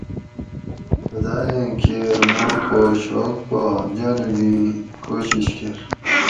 خدایٔں کیر ما خوش ھوگ پا جانوگیں کوشیش کرۤ